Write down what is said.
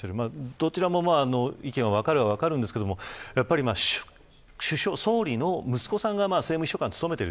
どちらの意見も分かるは分かるんですが総理の息子さんが政務秘書官を務めている。